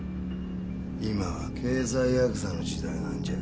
今は経済ヤクザの時代なんじゃ。